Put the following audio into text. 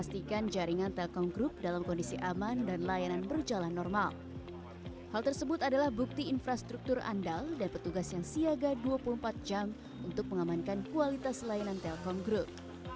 siaga dua puluh empat jam untuk mengamankan kualitas layanan telkom group